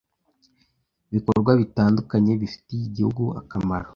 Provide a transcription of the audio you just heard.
bikorwa bitandukanye bifitiye igihugu akamaro